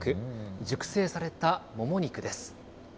熟成されたもも肉です。